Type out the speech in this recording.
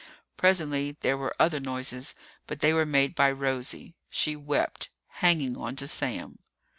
Presently there were other noises, but they were made by Rosie. She wept, hanging onto Sam.